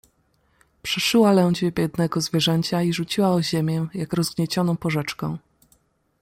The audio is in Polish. "Przeszyła lędźwie biednego zwierzęcia i rzuciła o ziemię jak rozgniecioną porzeczkę."